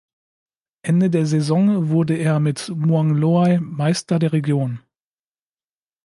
Ende der Saison wurde er mit Muang Loei Meister der Region.